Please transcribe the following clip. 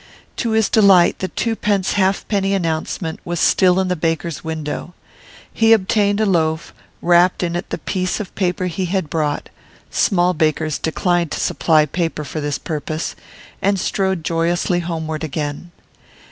To his delight the twopence halfpenny announcement was still in the baker's window. He obtained a loaf wrapped it in the piece of paper he had brought small bakers decline to supply paper for this purpose and strode joyously homeward again.